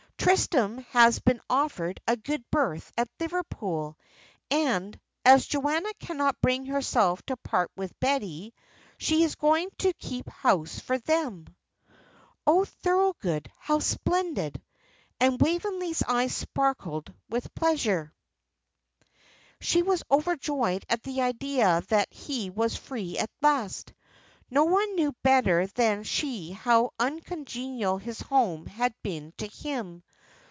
Tristram has been offered a good berth at Liverpool, and, as Joanna cannot bring herself to part with Betty, she is going to keep house for them." "Oh, Thorold, how splendid!" And Waveney's eyes sparkled with pleasure. She was overjoyed at the idea that he was free at last. No one knew better than she how uncongenial his home had been to him.